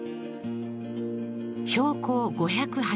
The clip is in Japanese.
［標高５８０ｍ］